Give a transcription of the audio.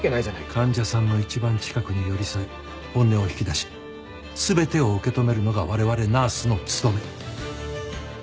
患者さんの一番近くに寄り添い本音を引き出し全てを受け止めるのが我々ナースの務め。